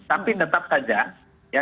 jadi saya rasa tidak ada